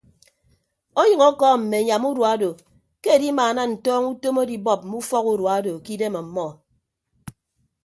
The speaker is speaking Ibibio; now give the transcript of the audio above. Ọnyʌñ ọkọọm mme anyam urua odo ke edimaana ntọọñọ utom adibọọp mme ufọk urua odo ke idem ọmmọ.